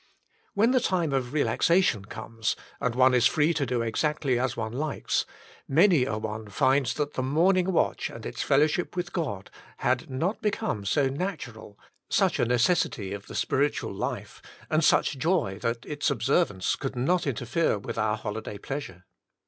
When the time of relaxation comes, and one is free to do exactly as one likes, many a one finds that the morning watch and its fellowship with God had not become so natural, such a necessity of the spiritual life and such joy, that its observ ance could not interfere with our holiday pleasure.